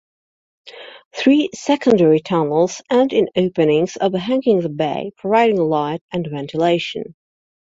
Three secondary tunnels end in openings overhanging the bay, providing light and ventilation.